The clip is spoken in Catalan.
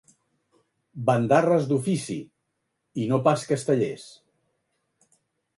Bandarres d'ofici, i no pas castellers.